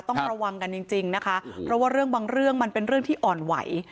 ต้องระวังกันจริงนะคะเพราะว่าเรื่องบางเรื่องมันเป็นเรื่องที่อ่อนไหว